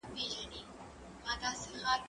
زه پرون د کتابتوننۍ سره مرسته کوم؟